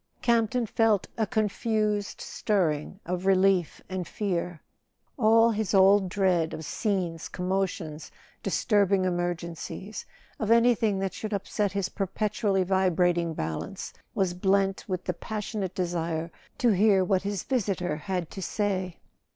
Campton felt a confused stirring of relief and fear. All his old dread of scenes, commotions, disturbing emergencies—of anything that should upset his per¬ petually vibrating balance—was blent with the pas¬ sionate desire to hear what his visitor had to say.